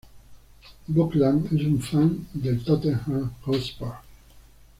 Buckland es un fan de el Tottenham Hotspur.